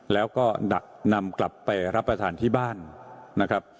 แล้วก็นำกลับไปรับประทานที่บ้านนะครับ